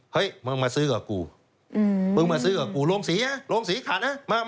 เฮ้ยมึงมาซื้อกับกูมึงมาซื้อกับกูโรงสีนะโรงสีขาดนะ